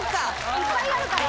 いっぱいあるから？